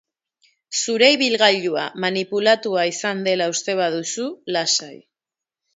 Zure ibilgailua manipulatua izan dela uste baduzu, lasai.